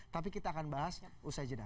tapi kita akan bahas usai jeda